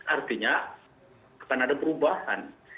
artinya akan ada perubahan